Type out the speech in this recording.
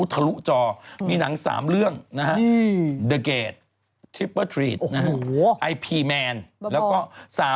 ทรวจมีหนัง๓เรื่องแล้วค่ะ